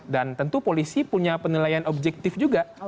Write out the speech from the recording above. dan tentu polisi punya penilaian objektif juga